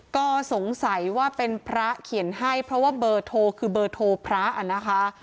ก็สงสัยว่าเป็นพระเขียนให้เพราะว่าเบอร์โทรคือเบอร์โทรพระนะคะ